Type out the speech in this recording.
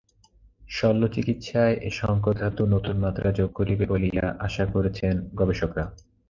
শল্যচিকিৎসায় এ সংকর ধাতু নতুন মাত্রা যোগ করবে বলে আশা করছেন গবেষকেরা।